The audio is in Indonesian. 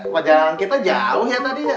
wajar kita jauh ya tadi ya